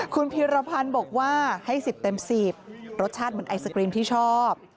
คุณพีรพันธ์บอกว่าให้๑๐เต็ม๑๐รสชาติเหมือนไอศกรีมที่ชอบ